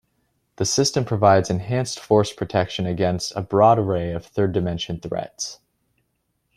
The system provides enhanced force protection against a broad array of third-dimension threats.